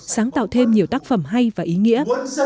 sáng tạo thêm nhiều tác phẩm hay và ý nghĩa